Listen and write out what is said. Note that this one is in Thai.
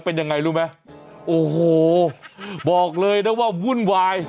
โอ้โฮบอกเลยได้ว่างวุ่นวาย